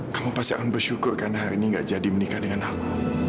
kamu pasti akan bersyukur karena hari ini gak jadi menikah dengan aku